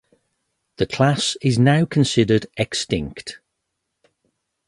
The class is now considered extinct.